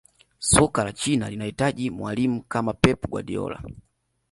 soka la china linahitaji mwalimu kama pep guardiola